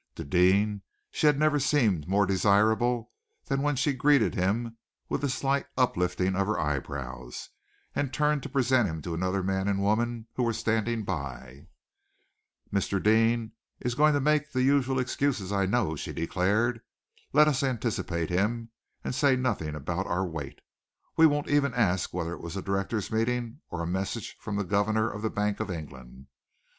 To Deane she had never seemed more desirable than when she greeted him with a slight uplifting of her eyebrows, and turned to present him to another man and woman who were standing by. [Illustration: Lady Olive came slowly forward to meet him.] "Mr. Deane is going to make the usual excuses, I know," she declared. "Let us anticipate him, and say nothing about our wait. We won't even ask whether it was a directors' meeting, or a message from the governor of the Bank of England.